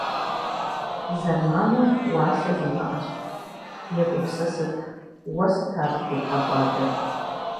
Зэманыр уасэ зимыӏэщ. Егупсысыт, уэ сыт ар зытебгъэкӏуадэр?